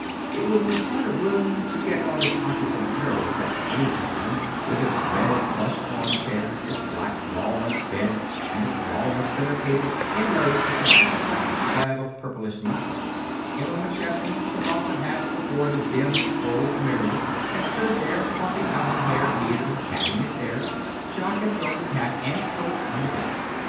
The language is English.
It was the sort of room to get on its occupant's nerves at any time, with its red plush arm chairs, its black walnut bed, and its walnut center table inlaid with an apoplectic slab of purplish marble. [Illustration: "'I'm still in position to enforce that ordinance against pouting'"] Emma McChesney took off her hat before the dim old mirror, and stood there, fluffing out her hair here, patting it there. Jock had thrown his hat and coat on the bed.